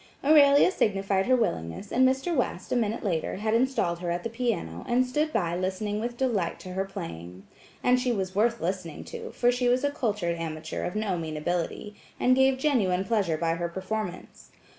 Aurelia signified her willingness and Mr. West, a minute later, had installed her at the piano, and stood by listening with delight to her playing. And she was worth listening to for she was a cultured amateur of no mean ability, and gave genuine pleasure by her performance.